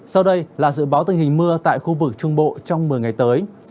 sau đây là dự báo tình hình mưa tại khu vực trung bộ trong một mươi ngày tới